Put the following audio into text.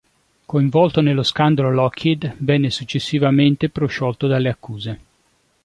Coinvolto nello scandalo Lockheed, venne successivamente prosciolto dalle accuse.